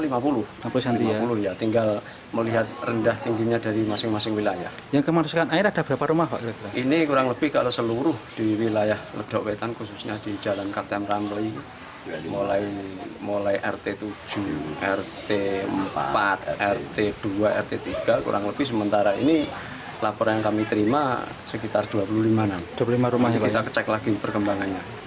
mulai rt tujuh rt empat rt dua rt tiga kurang lebih sementara ini laporan yang kami terima sekitar dua puluh lima rumah kita cek lagi perkembangannya